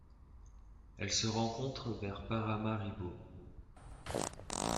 Elle se rencontre vers Paramaribo.